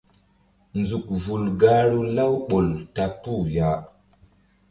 Nzuk vul gahru Laouɓol ta puh ya.